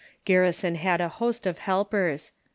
Garrison had a host of helpers.